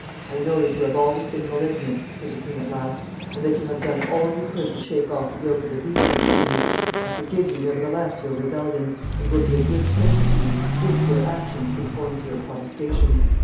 "I know that you have always been malignants," said the king at last, "and that you have done all you could to shake off the yoke of obedience to me; I forgive you, nevertheless, your rebellions, and will be a good prince to you, if your actions conform to your protestations."